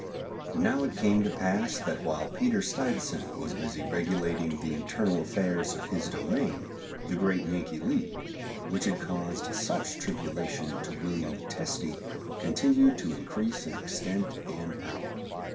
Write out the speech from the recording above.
Now it came to pass, that while Peter Stuyvesant was busy regulating the internal affairs of his domain, the great Yankee league, which had caused such tribulation to William the Testy, continued to increase in extent and power.